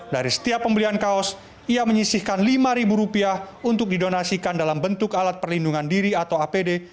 dari setiap pembelian kaos ia menyisihkan rp lima untuk didonasikan dalam bentuk alat perlindungan diri atau apd